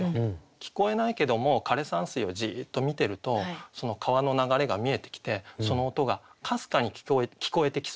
聞こえないけども枯山水をじっと見てるとその川の流れが見えてきてその音がかすかに聞こえてきそうだなと。